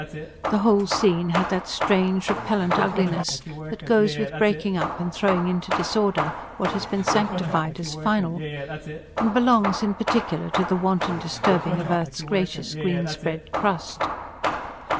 The whole scene had that strange, repellent ugliness that goes with breaking up and throwing into disorder what has been sanctified as final, and belongs, in particular, to the wanton disturbing of earth's gracious, green spread crust.